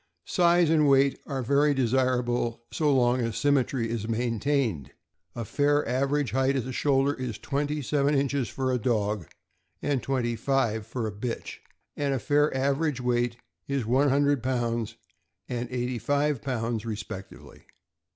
— Size and weight are very desirable so long as symmetry is maintained. A fair average height 38 594 THE AMEEICAN BOOK OF THE DOG. at the shoulder is twenty seven inches for a dog and twen ty five for a bitch, and a fair average weight is one hundred pounds and eighty five pounds, respectively.